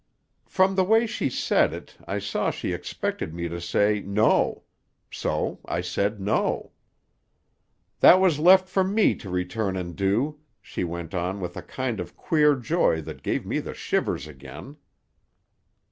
"From the way she said it I saw she expected me to say 'No'. So I said 'No'. "'That was left for me to return and do,' she went on with a kind of queer joy that gave me the shivers again.